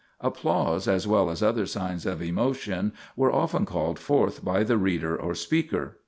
Applause as well as other signs of emotion were often called forth by the reader or speaker (p.